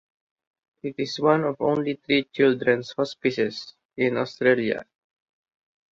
It is one of only three children’s hospices in Australia.